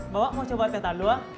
bapak mau coba teh talua